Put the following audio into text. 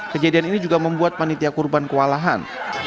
kejadian ini juga membuat panitia kurban kewalahan